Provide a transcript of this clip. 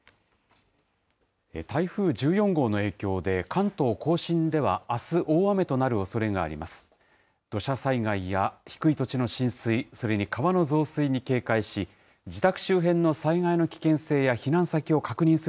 台風１４号の影響で、関東甲信ではあす、大雨となるおそれがあります。